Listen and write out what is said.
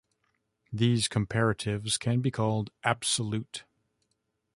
These comparatives can be called "absolute".